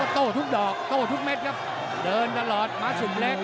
โต้ทุกดอกโต้ทุกเม็ดครับเดินตลอดม้าสุ่มเล็ก